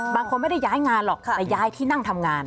บางคนไม่ได้ย้ายงานหรอกแต่ย้ายที่นั่งทำงาน